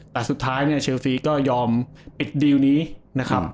แต่สุดท้ายเนี่ยเชลซีก็ยอมปิดดีลนี้นะครับ